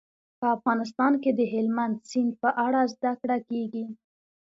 په افغانستان کې د هلمند سیند په اړه زده کړه کېږي.